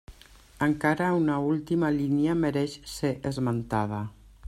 Encara una última línia mereix ser esmentada.